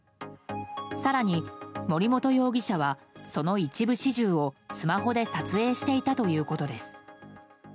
更に森本容疑者はその一部始終をスマホで撮影していたということです。